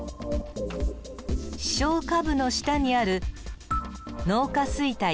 視床下部の下にある脳下垂体